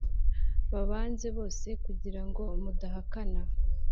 babanze bose kugirango mudahakana